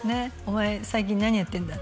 「お前最近何やってんだ？」